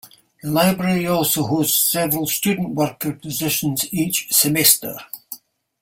The Library also hosts several student-worker positions each semester.